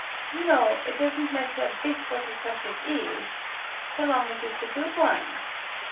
"You know it doesn't matter a bit what the subject is, so long as it's a good one!"